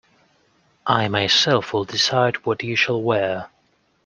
I myself will decide what you shall wear.